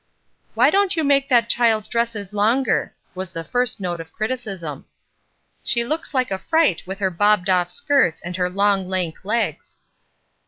"Why don't you make that child's dresses longer?" was the first note of criticism. "She looks like a fright with her bobbed off skirts and her long, lank legs."